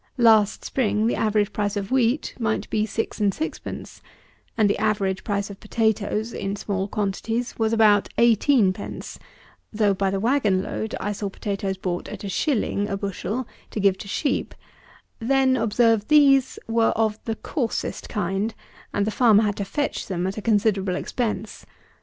Last spring the average price of wheat might be six and sixpence, (English;) and the average price of potatoes (in small quantities) was about eighteen pence; though, by the wagon load, I saw potatoes bought at a shilling (English) a bushel, to give to sheep; then, observe, these were of the coarsest kind, and the farmer had to fetch them at a considerable expense.